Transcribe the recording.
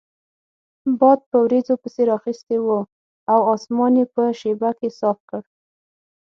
باد په وریځو پسې رااخیستی وو او اسمان یې په شیبه کې صاف کړ.